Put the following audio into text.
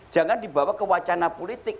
jangan dibawa ke wacana politik